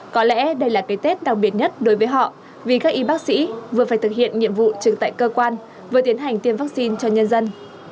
có lẽ đây là cái tết đặc biệt nhất đối với họ vì các y bác sĩ vừa phải thực hiện nhiệm vụ trực tại cơ quan vừa tiến hành tiêm vaccine cho nhân dân